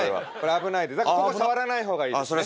危ないここ触らない方がいいですね。